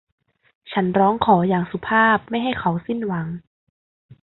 ฉันร้องขออย่างสุภาพไม่ให้เขาสิ้นหวัง